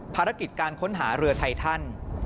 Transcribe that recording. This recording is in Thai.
ภารกิจการค้นหาเรือไททัน